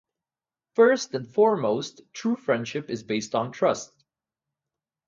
First and foremost, true friendship is based on trust.